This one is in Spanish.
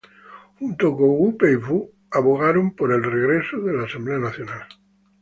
Junto con Wu Peifu abogaron el regreso de la Asamblea Nacional.